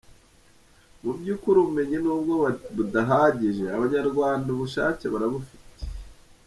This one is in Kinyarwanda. Mu by’ukuri ubumenyi nubwo budahagije, abanyarwanda ubushake barabufite.